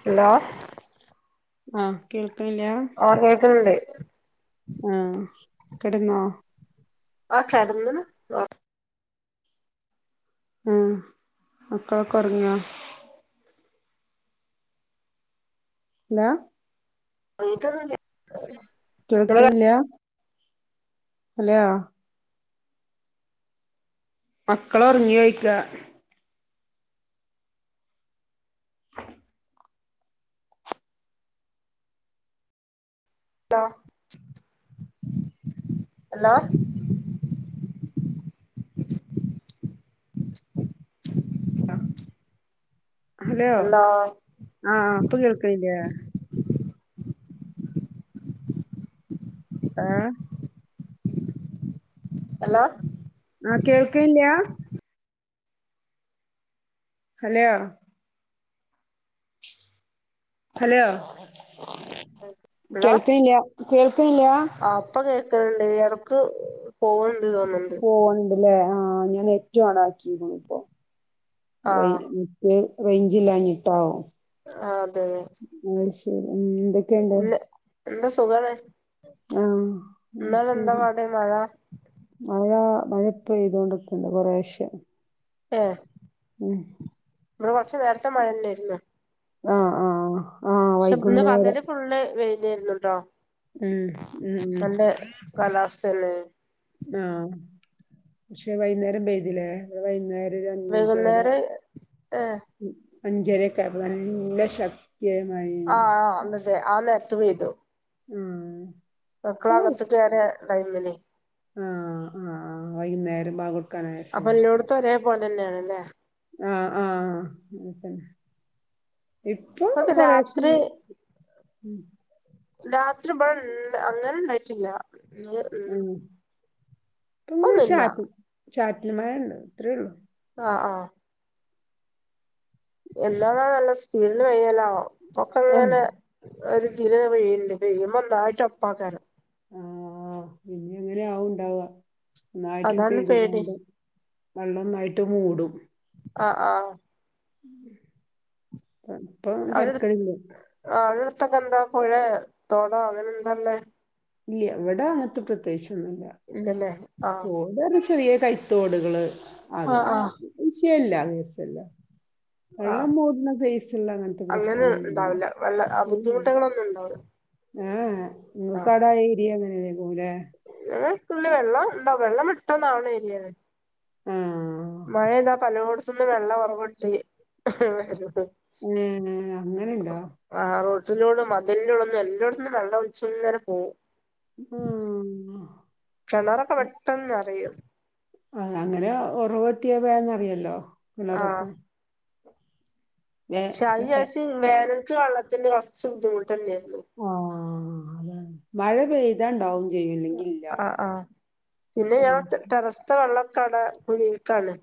Hello ആഹ് കേൾക്കില്ല? ഓഹ് കേക്ക്‌നുണ്ട് ആഹ് കടന്നോ ആഹ് കടന്നിനു ഉം മക്കളൊക്കെ ഉറങ്ങിയാ. ഹലോ എനിക്കൊന്നും കേ കേൾക്ക്നില്ല ഹലോ മക്കളൊറങ്ങിയോ ചോയിക്കാ ല്ലോ ഹലോ ഹലോ ആഹഹ് ഇപ്പ കേൾക്കണില്ലേ? ഏഹ് ഹലോ ആഹ് കേൾക്കല്ലയ? ഹലോ ഹലോ ഹലോ കേൾക്കുന്നില്ല കേൾക്കുന്നില്ല ഇപ്പ കേക്കണ്‌ണ്ട് ഇടക്ക് പോണ്ണ്ട് തോന്നനുണ്ട് ല്ലേ ആഹ് ഞാൻ നെറ്റ് ഓണാക്കിനിക്ക് ഇപ്പോ ആ [unintelligible] റേ റേഞ്ചിലാഞ്ഞിട്ടാവും ആഹ് അതെ ആ ശരി ന്താ എ എന്താ സുഖമാണ് ആഹ് ശരി മഴ മഴ മഴ പെയ്ത കൊണ്ടിക്കണ്ട് കൊറെഷെ ഏഹ് ഉം ഇമ്മടെ കൊറച്ച നേരത്തെ മഴ തന്നെയായിരുന്നു ആഹ് ആഹ് ആഹ് പക്ഷെ ഇന്ന് വൈകുന്നേരം പകല് ഫള്ള് വെയില വരുന്നുണ്ടോ ഉം ഉം ഉം നല്ല കാലാസ്ഥന ആഹ പക്ഷെ വൈകുന്നേരം പ്തിലേ? വൈകുന്നേരം ഒരു അഞ്ചര വൈകുന്നേരം ഏ അഞ്ചരക്കടെ ശ കേമായി ആഹ് ആഹ് അന്നതെ ആനെരത്‌ വരും ഉം മക്കളാകത്ത് കേറ ടൈമിന് ആഹ് ആഹ് ആ വൈകുന്നേരം ബങ്ക് അപ്പൊ ഇല്ലോടത്ത ഒരേ പോലെ തന്നെയാണ്ല്ലേ? ആഹ് ആഹ് ഇപ്പൊ ഇപ്പത്തെ കൊറേഷെ രാത്രി [unintelligible] രാത്രി പഴണ്ട് അങ്ങന ഉണ്ടായിട്ടില്ല ത് ഉം ഇപ്പൊ ഇപ്പൊന്നുല്ല ചാറ്റ ചാറ്റല് മഴ ഉണ്ട ഇത്രേ ഉള്ളു ആഹ് ആഹ് എന്താണാ നല്ല സ്പീഡന്ന് വയ്യലോ ഒക്കെങ്ങനെ ആഹ് ഒരു ദിന വേണ്ട് കയിമ്പോന്തായിട്ട് അപ്പക്കാര ആഹ് പിന്ന അങ്ങനെ ആവണ്ടാവുക നന്നായിട്ട അതാണ് പേടി പെയ്തുങ്ങാണ്ട് വെല്ലൊന്നായിട്ട് മൂടും ആ ആഹ് ഇപ്പ തർക്കളില്ല ആവിടെ അടുത്തൊക്കെ എന്താ പുഴ തോട അങ്ങനെ എന്താല്ലേ? ഇല്ല എവിടെ അങ്ങത്തെ പ്രത്യേകിച്ചൊന്നുല്ല ഇന്നല്ലെ? തോട് ചെറിയ കൈത്തോടുകള് അത് ആഹ് ആ ആഹ് വിശയല്ല അസല്ല ആഹ് വെള്ളം മൂടന്ന പയ്സില്ല അങ്ങനത്തെ അങ്ങനെ പ്രശ്നടല്ല ഇണ്ടാവില്ല വെള്ള [unintelligible] ബുദ്ധിമുട്ടുകളൊന്നും ഉണ്ടാവില്ല ആഹ് നിങ്ങൾക്കാടായ ഏരിയ എങ്ങനെയ പോലെ നിങ്ങക്കുള്ളി വെള്ളം ഉണ്ടോ വെള്ളം ഇിട്ടന്നാവണ എരിയത് ആഹ് മഴ താ പലവൂടത്തുനിന്ന് വെള്ളം ഉറകണ്ട് വ ആഹ് അങ്ങനെ നുണ്ടോ ആഹ് റോട്ടിലോടെും മദലിലോടെൊന്നും എല്ലോടത്തന്നും വെള്ള ഉച്ച നേരെ പോകവും ഉം [unintelligible] കിണറൊക്കെ പെട്ടെന്ന് നെറയും അഹ് അങ്ങനെ ഉറവട്ടിയ വേന്ന്റിയല്ലോ ആഹ് വിലറൊക്ക വേ ശഹചച്ച വേനക്കക്ക് വെള്ളത്തിന്റെ കുറച്ച് ബുദ്ധിമുട്ട് തന്നെയായിരുന്നു ആഹ് അതാണ് മഴ പെയ്തി ഇതാണ്ടാവും ചെയ്യുന്നു ആഹ് ആഹ് പിന്നെ ഉം ഞാൻ ടെറസ് ഇ വെള്ളക്കട കുഴൽക്കാണ്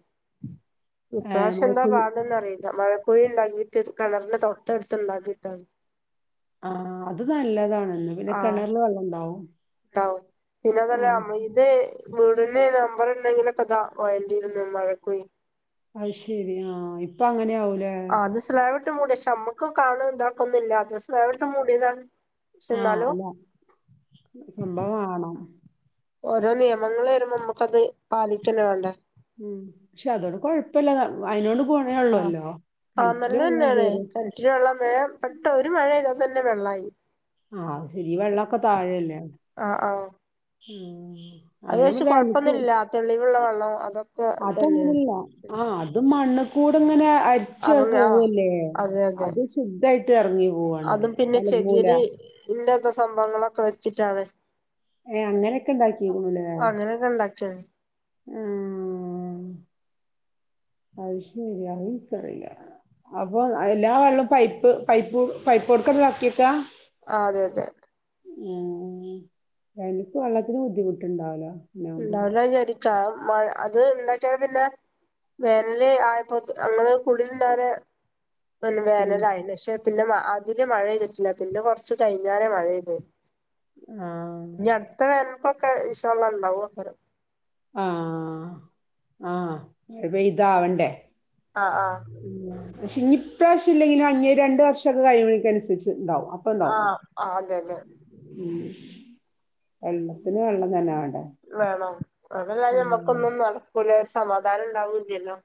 ഏഹ് ഇപ്രാവശ്യം എന്താ മഴക്കുഴി പാടന്ന് അറിയല്ല മഴക്കൊഴി ഉണ്ടാക്കിട്ട് കിണറിന്റെ തൊട്ട് എടുത്ത്ണ്ടാക്കിയിട്ടാണ് ആഹ് അത് നല്ലതാണന്ന് പിന്നെ കെണറില് വെള്ളം ഉണ്ടാവും. ഔ പിന്നെതല്ല ആഹ് അമ്മയ്ക് അതെ വീടിന് നമ്പർ ഉണ്ടെങ്കിലൊക്കെതാ വയണ്ടിരുന്നു മഴ പോയി. അയി ശെരി ആഹ് ഇപ്പ അങ്ങനെ ആവൂലേ ആഹ് അത് സ്ലൈവിട്ട് മൂടിയക്ഷെ നമ്മുക്ക് കാണൻ ഇന്താക്കൊന്നില്ല അത് സ്ലൈവിട്ട് മൂടിയതാണ്. പക്ഷെ ആഹ് എന്നാലും അല്ല സംഭവാണോ? ഓരോ നിയമങ്ങൾ വരുമ്പോ നമ്മുക്കത് പാലിക്കല്ലെ വേണ്ടേ ഉം പക്ഷെ അതോട് കൊഴപ്പല്ല അയിതിനോട് ആഹ് പോണേള്ളൂല്ലോ കണറ്റില വള്ള കേയര ഒ വെള്ളംപെട്ട ഒരു മഴയതാ തന്നെ വെള്ളമായി ആഹ് ശരി വെള്ളോക്കെ താഴല്ലേ ആഹ് ആഹ് ഉം അത് വച്ച് അങ്ങനെയാവുമ്പോ വേനൽക്ക് കൊഴപ്പൊന്നുല്ലാ തെളിവുള്ള വെള്ളം അതൊ അതങ്ങനല്ല ആഹ് അതും മണ്കൂടെങ്ങനെ. ച്ചാൽ അറിഞ്ഞ ആഹ് പോവല്ലേ അതെ അതെ അത് ശുദ്ധായിട്ട് ഇറങ്ങി പോവാണ്ള്ള അതും പിന്നെ തല മൂല ചെകിരി ഇല്ലാത്ത സംഭവങ്ങളൊക്കെ വെച്ചിട്ടാണ്. ഏഹ് അങ്ങനെയൊക്കെ ണ്ടാക്കികുണൂലേ ഇന്നുണ്ടാക്കിയത് ആഹ് ആയി ശെരി അഹ്ൻങക്കറില്ല അപ്പൊ എല്ലാ വെള്ളവും പൈപ്പ് പൈപ്പ് പൈപ്പ് കൊടുക്കടതാക്കിയക്കാ ആഹ് അതെ അതെ ആഹ് എനിക്ക് വെള്ളത്തിന് ബുദ്ധിമുട്ടുണ്ടാവില്ല [unintelligible] മഴ അത് ഉണ്ടാക്കിയ പിന്നെ വേനല് ആയപ്പോ അങ്ങെ കുടിലിണ്ടറെ പിന്നെ ഉം വേനലായില്ലെ പക്ഷെ പിന്നെ മ അതില് മഴയിതിട്ടില്ല പിന്നെ കൊറച്ച് കഴിഞ്ഞറ മഴെയ്ത് ആഹ്‌ അടുത്ത വേനൽക്കെക്കെ ഇൻഷള്ള ഉണ്ടാവുംന്തോ ആഹ്‌ ആഹ്‌ ഇപ്പൊ ഇതാവണ്ടേ? ആഹ്‌ ആഹ്‌ പക്ഷെ ഇനി ഇപ്രാവശ്യല്ലെങ്കിലും ന്നി രണ്ടു വർഷംക്കെ കഴിയുമേക്കനുസരിച്ച് ണ്ടാവും ആഹ്‌ അതെ അതെ ഉം വെള്ളത്തിന് വെള്ളം തന്നെ വേണ്ടെ വേണം അതല്ലാെങ്കി നമ്മക്കൊന്നും നടക്കൂല സമാധാനം ഉണ്ടാവൂലല്ലോ.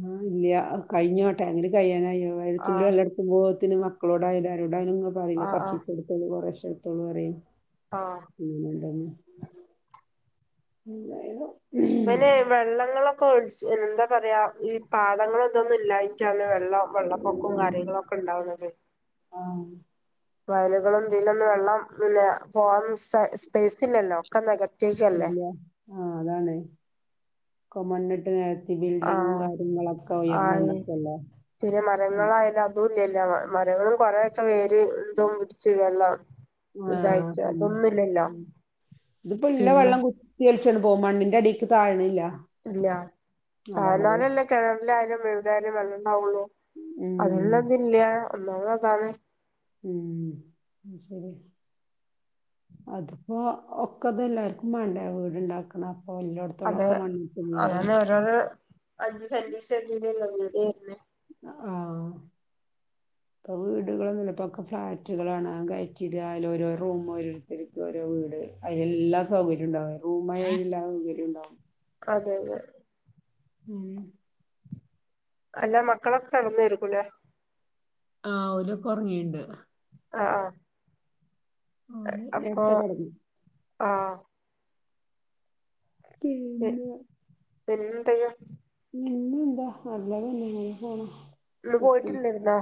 ആഹ് ഇല്ല കഴിഞ്ഞോട്ടെ എന്റെ കയ്യാനായിയോല് തുള്ളി ആഹ് വെള്ളം. ബോധത്തിന് മക്കളോടായാലും ആരോടായാലും ഇങ്ങ പറയില്ലെ ആഹ് കുറച് ആഹ് ഇച്ച എടുത്തോളൂ കുറശെടുത്തോളൂറയും ആഹ്‌ പിന്നെന്താ [unintelligible] പിന്നെ വെള്ളങ്ങളൊക്കെ ഒഴിച്ച് എന്താ പറയാ ഈ പാദങ്ങളതൊന്നും ഇല്ലായിരുന്നു ണ് വെള്ളാം വെള്ളപ്പൊക്കം കാര്യങ്ങളോക്കെ ണ്ടാവുന്നത്. ആഹ് വയലുകളും തിന്നുന്ന വെള്ളം പിന്നെ പോവാൻ സ സ്പേസ് ഇല്ലല്ലോ. ക്കെ നികത്തിയില്ലേ. ഇല്ല. ആഹ്‌ അതാണ്. ഒക്കെ മണ്ണിട്ട് നിരതി ഈ ബിൽഡിങ്ങും ആഹ് കാര്യങ്ങളൊക്കെ ആയി ഉയർന്നന്നക്കുവല്ലേ. ന്നുല്ലായില്ലോ മരങ്ങളും കൊറെ ഇപ്പാ വേര് എന്തോം പിടിച്ച് വെള്ളം. ആഹ് ഇതായിരിക്കാ പിന്നെ അതൊന്നുല്ലല്ലോ. ഉം ഇതിപ്പോ ഇള്ള വെള്ളം കുത്തി അലിച്ച് അങ്ങ് പോവും. മണ്ണിന്റെ അടില്ലേക്കു താഴ്ണില്ല. ഇല്ല. അതാണത് താഴ്ന്നാലല്ലെ കിണറിലായാലും എവിടെയാലും വെള്ളം ങാ ഉള്ളൂ. ഉം അതന്നതില്ല ഒന്നാമത് അതാണ്. ഉം ശരി. അതിപ്പോ ഒക്കതല്ലാർക്കും വേണ്ടേ വീടുണ്ടാക്കണ അപ്പൊ എല്ലോടത്തും അതെ അതന്നെ ഓരോരു അഞ്ച് സെന്റ് സെന്റേലല്ലേ വീട് വരുന്നെ. ആഹ്‌. ഇപ്പൊ വീടുകളന്നുല്ല ഇപ്പോക്കെ ഫ്ളാറ്റുകളാണ് ഗയറ്റിടുക അയില് ഓരോ റൂം വരും. ഓര് ക്ക് ഓരോ വീട്. അയില് എല്ലാ സൗകര്യവും ഉണ്ടാവും. റൂമായ എല്ലാ സൗകര്യവും ഉണ്ടാവും. അതെന്നെ. ഉം അല്ല മക്കളൊക്കെ കെടന്നെര്ക്കുലേ? ആ ഒരൊക്കെ ഒറങ്ങിയുണ്ട്. ആ ആ ഓല് അപ്പോ നേരത്തെ കെടന്നു ആ. പിന്നെ പിന്നെന്തക്കെയാ? പിന്നെ എന്താ നല്ല തന്നെ ഇങ്ങനെ പോണു. ഇന്ന് പോയിട്ടില്ലായിരുന്നോ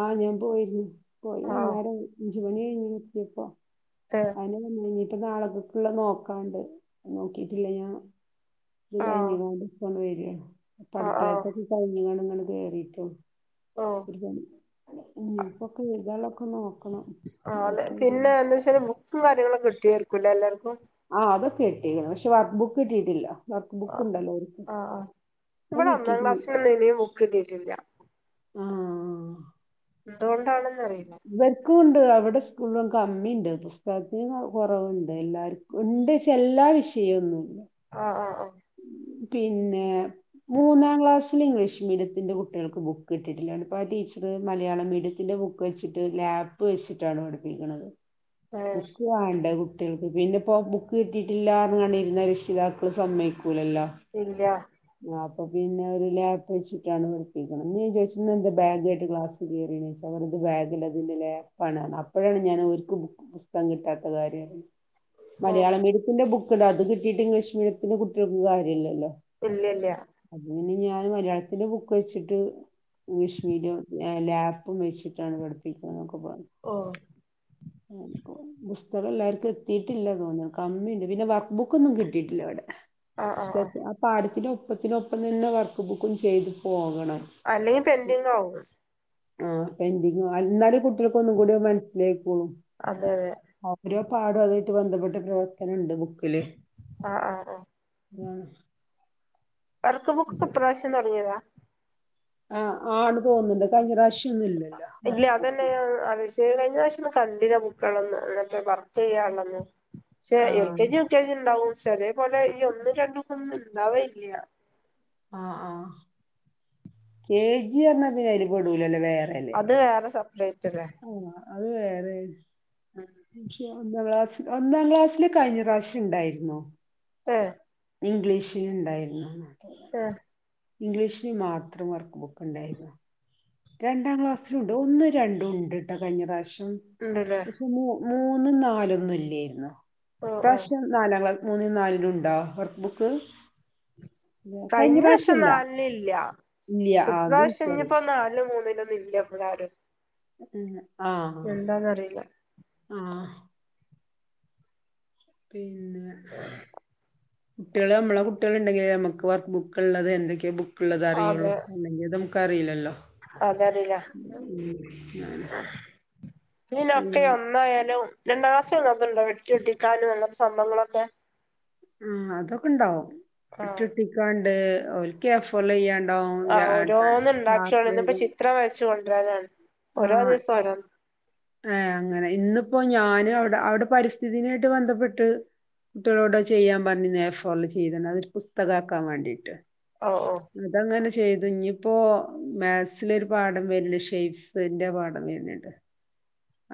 ആ ഞാൻ പോയിരുന്നു. പോയി ആഹ് വൈന്നേരം അഞ്ച് മണി കഴിഞ്ഞ് എത്തിയപ്പോ. [inaudible] അതിനെഴഞ്ഞിട്ട് നാളക്കൊക്കുള്ള നോക്കാണ്ട്. നോക്കിട്ടില്ല ഞാൻ. ഇത് കഴിഞ് ആഹ് ഇപ്പങ്ങണ്ട് വരാണ്. ഇപ്പ ആഹ് ആഹ് അടുക്കളയത്തൊക്കെ കഴിഞ് ങ്ങാണ്ട് ഇങ്ങണ്ട് കേറിട്ടൊള്ളു. ഓഹ് ഒരു പണി ഇപ്പൊക്കെ എഴുതാളൊക്കെ നോക്കണം ആഹ് അതെ എന്നിട്ട് പിന്നെ എന്ന് ‌ വെച്ചാല് ബുക് ക്കു കാര്യങ്ങളൊ കിട്ടിയാർകു എല്ലാർക്കും ആ അതൊക്കെ കിട്ടി. പക്ഷെ വർക്ക് ബുക്ക് കിട്ടീട്ടില്ല. വർക്ക് ബുക്ക് ഉണ്ടല്ലോ ഓര്ക്. ആ ഇവിടെ ഒന്നാം ക്ലാസ്സിനൊന്നും ഇനിയും ബുക്ക് കിട്ടിട്ടില്ല. ആ എന്തുകൊണ്ടാണെന്ന് അറിയില്ല. ഇവർക്കും ഉണ്ട് അവിടെ സ്കൂളിന് കമ്മിണ്ട്. തോ ശ്രെദ്ധേന്ന കുറവുണ്ട് എല്ലാർക്കും ഉണ്ട് എല്ലാ വിഷയൊന്നുല്ല. ആ ആ ആ പിന്നെ മൂന്നാം ക്ലാസ്സില് ഇംഗ്ലീഷ് മീഡിയത്തിന്റെ കുട്ടികൾക്ക് ബുക്ക് കിട്ടിട്ടില്ലാ ഇപ്പൊ ആ ടീച്ചറ് മലയാളമീഡിയത്തിന്റെ ബുക്ക് ബുക്ക് വെച്ചിട്ട് ലാപ്പ് വെച്ചിട്ടാണ് പഠിപ്പിക്കണത്. ഏഹ് ബുക്ക് വാങ്ങണ്ടെ കുട്ടികൾക്ക്. പിന്നെ ഇപ്പോ ബുക്ക് കിട്ടിയിട്ടില്ലാന്നറഞ്ഞോണ്ടിരുന്നാല് രക്ഷിതാക്കള് സമ്മയിക്കൂലല്ലോ. ഇല്ല ആ അപ്പൊ പിന്നെ ഒരു ലാപ്പ് വെച്ചിട്ടാണ് പഠിപ്പിക്കാണേ. ഇന്ന്‌ ഞാൻ ചോയിച്ചു ഇന്നെന്താ ബാഗുവായിട്ട് ക്ലാസ് [unintelligible] ത് ബാഗിൽ അതിന്നലെ ലാപ്പാണ് അപ്പോഴാണ് ഞാൻ ഒരുക്ക് ബുക്ക്‌ പുസ്തകം കിട്ടാത്ത കാര്യം അറിഞ്ഞെ. ഓഹ് മലയാള മീഡിയത്തിന്റെ ബുക്ക് താ ത് കിട്ടിയിട്ട് ഇംഗ്ലീഷ് മീഡിയത്തിന്റെ കുട്ടികൾക്ക് കാര്യല്ലല്ലോ ഇല്ല ഇല്ല അത് പിന്നെ ഞാൻ മലയാളത്തിന്റെ ബുക്ക് വെച്ചിട്ട് ഇംഗ്ലീഷ് മീഡിയ ലാപ്പും വെച്ചിട്ടാണ് പഠിപ്പിക്ക് ണ് ന്നൊക്കെപറഞ്ഞു ഓ ഉം പുസ്തകം എല്ലാർക്കും എത്തിട്ടില്ല തോന്നു ന്നു കമ്മിണ്ട് പിന്നെ വർക്ക് ബുക്കൊന്നും കിട്ടിട്ടില്ല ഇ വിടെ ആഹ് ആഹ് ആഹ് ആ പാടത്തിന്റെ ഒപ്പത്തിനൊപ്പം തന്നെ വർക്ക് ബുക്കും ചെയ്ത് പോകണം. അല്ലെങ്കിൽ പെന്റി ങ്ങാവും ആ പെന്റിങ്ങ് ഇന്നാലും കുട്ടികൾക്ക് ഒന്നും കൂടി മനസ്സിലായിക്കോളും അതെ അതെ അത്രോ പാടും അതായിട്ട് ബന്ധപ്പെട്ട പ്രവർത്തനണ്ട് ബുക്കില് ആഹ് ആഹ് ആഹ് ഇതാണ് വർക്ക് ബുക്ക് ഇപ്രാവശ്യം തുടങ്ങിയതാ ആആണ് തോന്നുണ്ട് കഴിഞ്ഞ പ്രാവശ്യഒന്നും ഇല്ലല്ലോ ഇല്ല വർക്ക് അതന്നെ ബുക്ക് ഞാൻ ആലോചിച്ചെ കഴിഞ്ഞ വശം ഒ കണ്ടില്ല ബുക്കള്ളന്ന് അങ്ങനത്തെ വർക്ക് ചെയ്യാണ്ട ന്ന് ആ L K G. U K G ഉണ്ടാവും സ ലേ പോലെ ഈ ഒന്നും രണ്ടുക്കന്നും ഇണ്ടാവലില്ല ആഹ് ആഹ് കെ ജി പറഞ്ഞാൽ പിന്നെ അയിൽ പെടൂല്ലല്ലോ വേറെ അല്ലെ? ഇത് വേറെ സെപ്പറേറ്റ്ല്ലേ അനെ അത് വേറെ ഉം പക്ഷെ ഒന്നാം ക്ലാസ് ഒന്നാം ക്ലാസ്സില് കഴിഞ്ഞ പ്രാവശ്യം ഉണ്ടായിരുന്നോ ഏഹ് ഇംഗ്ലീഷ് ഉണ്ടായിരുന്നു അത് ഏഹ് ഇംഗ്ലീഷിന് മാത്രം വർക്ക് ബുക്ക് ഉണ്ടായിരുന്നു. രണ്ടാം ക്ലാസ്സിലുണ്ട് ഒന്നും രണ്ടും ഉണ്ട്ട്ടോ കഴിഞ്ഞ പ്രാവശ്യം ഉണ്ടല്ലേ പക്ഷെമൂ മൂന്നും നാലൊന്നും ഇല്ലായിരുന്നു ഓ ഓ ഇപ്രാവശ്യം നാലാം ക്ലാസ് മൂന്നും നാലിനും ഉണ്ടോ വർക്ക് ബുക്ക് കഴിഞ്ഞ പ്രാവശ്യം വർഷം ഇല്ല നാലിന് ഇല്ല ഇല്ല ഷെ ആ, അത് ഇപ്രാവശ്യം എനിക്കറിയാം ഞ്ഞിപ്പോ നാലും മൂന്നിലൊന്നും ഇല്ല ഇവരാരും ആഹ് എന്താന്നറിയില്ല ആഹ് പിന്നെ കുട്ടികൾ നമ്മളെ കുട്ടികൾ ഉണ്ടെങ്കിലേ നമുക്ക് വർക്ക് ബുക്ക ഉള്ളത് എന്തൊക്കെയ ബു ക്ക്‌ ഉള്ളത് അറിയുള്ളു അല്ലെങ്കിൽ അത് നമുക്ക് അറിയില്ലല്ലോ അതറില്ല ആഹ് ഈനൊക്കെ പിന്നെ ഒന്നായാലും രണ്ടാം ക്ലാസ്സ്‌ൽ അങ്ങനത്തെണ്ടോ വെട്ടി ഒട്ടിക്കാനുംഅങ്ങനത്തെ സംഭങ്ങളൊക്കെ ഉം അതൊക്കെ ഇണ്ടാവും ആ വെട്ടി ഒട്ടിക്കാണ്ട് ഓല്ക്ക് എഫോർ ചെയ്യാണ്ടാവും ആ ചാർട്ടിൽ വരേച്ചു കൊണ്ടൊരാൻ ഓരോ ആഹ് ദിവസം ഓരോ ഏഹ് അങ്ങനെ ഇന്നിപ്പോ ഞാന് അവിടെ അവിടെ പരിസ്ഥിതിനായിട്ട് ബന്ധപ്പെട്ട് കുട്ടികളോട് ചെയ്യാൻ പറഞ്ഞ അഫോറിൽ ചെയ്‌തേന് ഒരു പുസ്തകമാക്കാൻ വേണ്ടിട്ട് ഓ ഓ അതങ്ങനെ ചെയ്തു ഇനിയിപ്പോ മാത്‍സ് ൽ ഒരു പാഠം വരില്ലേ ഷേപ്സ് ന്റെ പാഠം വരുന്നുണ്ട്.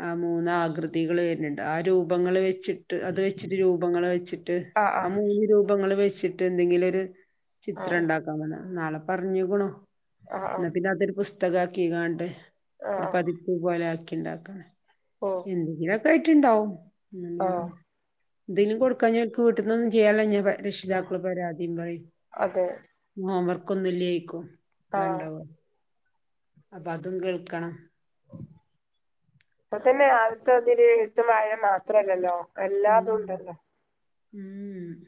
ആ മൂന്ന് ആകൃതികൾ വരുന്നുണ്ട് ആ രൂപങ്ങൾ വെച്ചിട്ട് അത് വെച്ചിട്ട് രൂപങ്ങൾ വെച്ചിട്ട് ട്ട് ആ മൂന്ന് രൂപങ്ങൾ വെച്ചിട്ട് എന്തെങ്കിലും ഒരു ആ ആ ചിത്രം ഉണ്ടാക്ക അവന നാളെ പറഞ്ഞുകുണൂ ആഹ് എന്നാ ആഹ് പിന്നെ അതൊരു പുസ്തക ആക്കി കാണ്ടെ ഒരു ആഹ് പതിപ്പ് പോലെ ആക്കി ഉണ്ടാക്കണം ഓ എന്തെങ്കിലുമൊക്കെ ആയിട്ട്ണ്ടാവും ആഹ് എന്തെേലും കൊടുക്കാഞ്ഞപ്പം വീട്ടിൽന്നൊന്നും ചെയ്യാതെയ്ഞ്ഞാൽ ഇല്ല രക്ഷിതാക്കള് പരാതിയും പറയും അതെ ഹോംവർക്ക് ഒന്നും ഇല്ലേഒയ്ക്കും ആഹ് അതാണ്ടാവ അപ്പൊ അതും കേൾക്കണം ഇപ്പത്തന്നെ ആദ്യത്തെ ഇതില് എഴുത്തും വായനയും മാത്രല്ലല്ലോ ഉം എല്ലാതും ഉണ്ടല്ലോ ഉം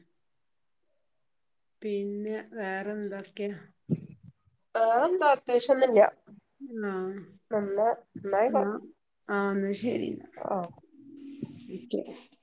പിന്നെ വേറെന്തൊക്കെയ വേറെന്താ പ്രേത്യേകിച്ചു ഒന്നുല്ല ആ നെന്ന എന്നായിക്കോ ആഹ് എന്നാ ശരി എന്ന ആഹ് [unintelligible]